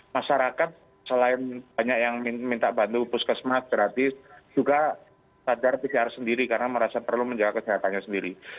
masyarakat selain banyak yang minta bantu puskesmas gratis juga sadar pcr sendiri karena merasa perlu menjaga kesehatannya sendiri